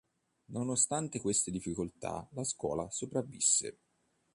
Nonostante queste difficoltà, la scuola sopravvisse.